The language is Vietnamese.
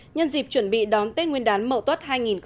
nhân dịp chuẩn bị đón tết nguyên đán mậu tuất hai nghìn một mươi tám